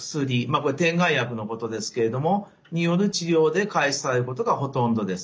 これ点眼薬のことですけれどもによる治療で開始されることがほとんどです。